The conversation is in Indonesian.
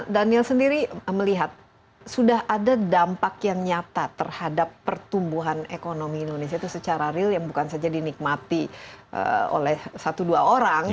daniel sendiri melihat sudah ada dampak yang nyata terhadap pertumbuhan ekonomi indonesia itu secara real yang bukan saja dinikmati oleh satu dua orang